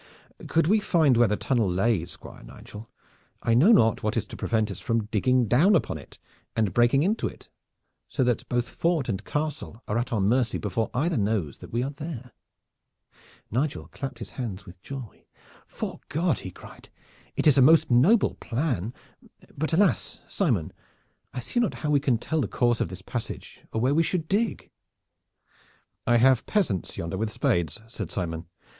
"Could we find where the tunnel lay, Squire Nigel, I know not what is to prevent us from digging down upon it and breaking into it so that both fort and castle are at our mercy before either knows that we are there." Nigel clapped his hands with joy. "'Fore God!" he cried. "It is a most noble plan! But alas! Simon, I see not how we can tell the course of this passage or where we should dig." "I have peasants yonder with spades," said Simon.